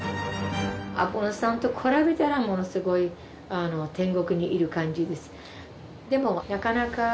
アフガニスタンと比べたらものすごい天国にいる感じです。